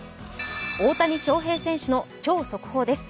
大谷翔平選手の超速報です。